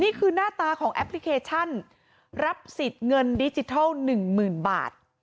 นี่คือหน้าตาของแอปพลิเคชันรับสิทธิ์เงินดิจิทัล๑๐๐๐บาท